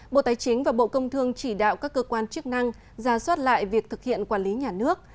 bộ tài chính và bộ công thương chỉ đạo các cơ quan chức năng ra soát lại việc thực hiện quản lý nhà nước